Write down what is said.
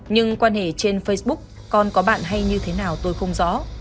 nhưng quan hệ trên facebook con có bạn hay như thế nào tôi không rõ